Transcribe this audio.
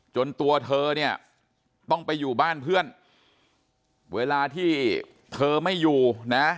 ตัวเธอเนี่ยต้องไปอยู่บ้านเพื่อนเวลาที่เธอไม่อยู่นะ